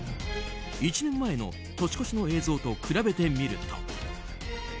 １年前の年越しの映像と比べてみると。